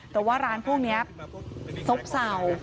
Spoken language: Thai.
แต่ว่าร้านพวกนี้ซบเศร้า